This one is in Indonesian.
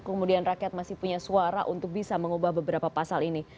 kemudian rakyat masih punya suara untuk bisa mengubah beberapa pasal ini